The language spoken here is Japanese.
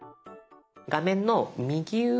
画面の右上